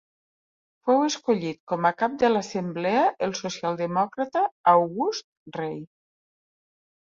Fou escollit com a cap de l'assemblea el socialdemòcrata August Rei.